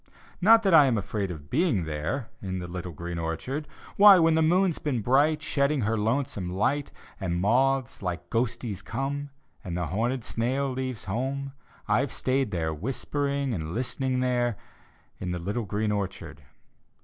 Not that I am afraid of being there, In the little green orchard; Why, when the moon's been bright. Shedding her lonesome light, And moths like ghosties come, And the horned snail leaves home: I've stayed there, whispering and listening there, In the little green orchard.